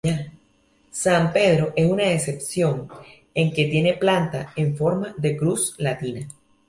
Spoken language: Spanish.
San Pedro es una excepción en que tiene planta en forma de cruz latina.